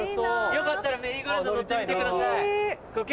よかったらメリーゴーラウンド乗ってみてください。